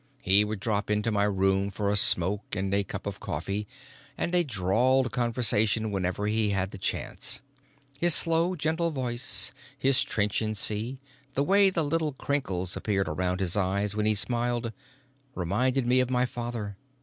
He would drop into my room for a smoke and a cup of coffee and a drawled conversation whenever he had the chance. His slow gentle voice, his trenchancy, the way the little crinkles appeared around his eyes when he smiled, reminded me of my father.